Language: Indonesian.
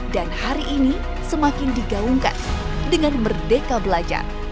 dan hari ini semakin digaungkan dengan merdeka belajar